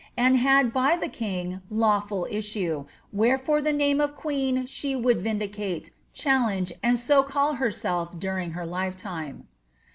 and had by the king lawful issue, wherefore the name of queen «he would vindicate, chiHenge, and so call herself during her lifetime.'